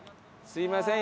すみません